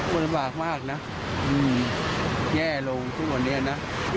ลำบากมากนะแย่ลงทุกวันนี้นะ